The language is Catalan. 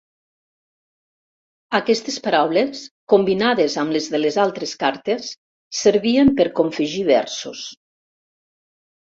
Aquestes paraules, combinades amb les de les altres cartes, servien per confegir versos.